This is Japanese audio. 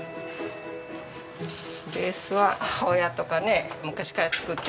ベースは母親とかね昔から作ってたものをね